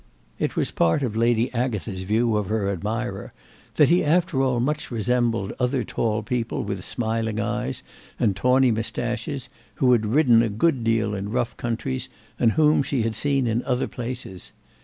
It was part of Lady Agatha's view of her admirer that he after all much resembled other tall people with smiling eyes and tawny moustaches who had ridden a good deal in rough countries and whom she had seen in other places.